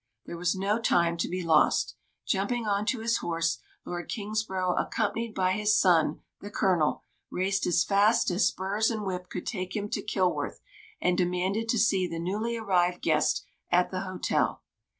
There was no time to be lost. Jumping on to his horse, Lord Kingsborough accompanied by his son, the Colonel, raced as fast as spurs and whip could take him to Kilworth, and demanded to see the newly arrived guest at the hotel.